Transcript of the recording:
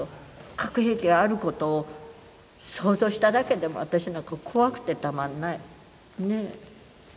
核兵器があることを、想像しただけでも、私なんか怖くてたまんない。ね？